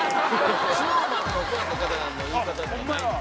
ＳｎｏｗＭａｎのファンの方々の言い方ってのはないの？